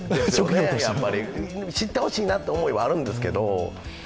やっぱり知ってほしいなという思いはあるんですけど。